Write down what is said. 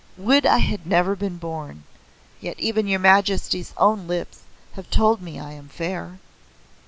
Would I had never been born: Yet even your Majesty's own lips have told me I am fair!"